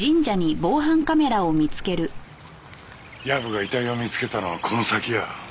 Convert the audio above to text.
藪が遺体を見つけたのはこの先や。